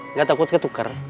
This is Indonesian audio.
nggak takut ketuker